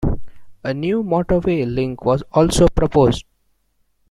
A new motorway link was also proposed.